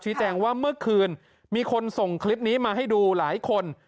แจ้งว่าเมื่อคืนมีคนส่งคลิปนี้มาให้ดูหลายคน